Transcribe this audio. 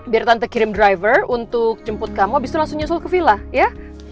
biar tante kirim driver untuk jemput kamu abis itu langsung nyusul ke villa ya